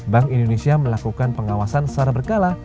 bank indonesia melakukan pengawasan secara berkala